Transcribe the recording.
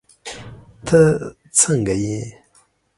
تہ سنګه یی